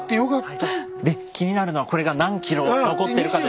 で気になるのはこれが何キロ残ってるかです。